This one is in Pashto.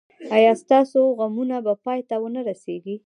ایا ستاسو غمونه به پای ته و نه رسیږي؟